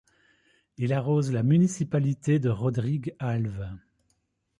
Il arrose la municipalité de Rodrigues Alves.